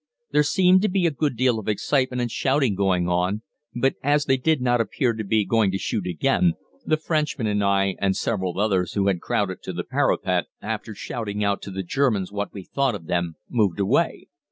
There seemed to be a good deal of excitement and shouting going on, but as they did not appear to be going to shoot again, the Frenchmen and I and several others who had crowded to the parapet, after shouting out to the Germans what we thought of them, moved away.